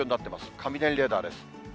雷レーダーです。